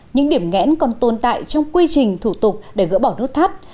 những điểm nghẽn còn tồn tại trong quy trình thủ tục để gỡ bỏ nốt thắt